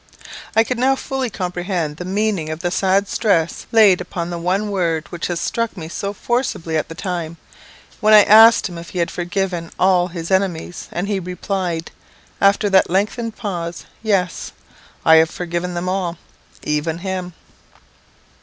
I could now fully comprehend the meaning of the sad stress laid upon the one word which had struck me so forcibly at the time, when I asked him if he had forgiven all his enemies, and he replied, after that lengthened pause, "Yes; I have forgiven them all even _him!